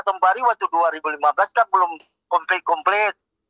tembari waktu dua ribu lima belas kan belum komplit komplit